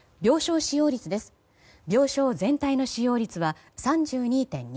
病床全体の使用率は３２．２％。